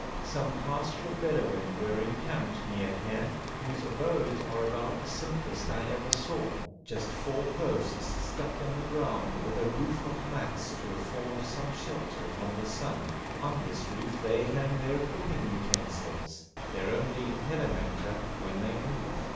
Some pastoral Bedouin were encamped near here, whose abodes are about the simplest I ever saw: just four posts stuck in the ground with a roof of mats to afford some shelter from the sun; on this roof they hang their cooking utensils, their only impedimenta when they move.